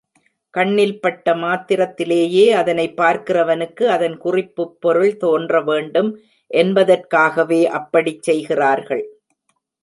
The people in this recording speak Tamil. கண்ணில்பட்ட மாத்திரத்திலேயே, அதனைப் பார்க்கிறவனுக்கு அதன் குறிப்புப் பொருள் தோன்ற வேண்டும் என்பதற்காகவே அப்படிச் செய்கிறார்கள்.